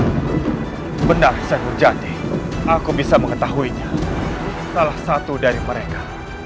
hai hari mau kembali sebenarnya benar segera jadi aku bisa mengetahuinya salah satu dari mereka